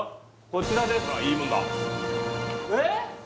こちらですえっ！？